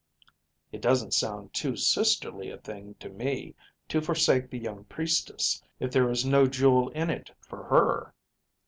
It doesn't sound too sisterly a thing to me to forsake the young priestess if there is no jewel in it for her.